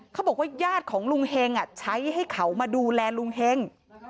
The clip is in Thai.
เขาบอกว่าญาติของลุงเฮงใช้ให้เขามาดูแลลุงเฮง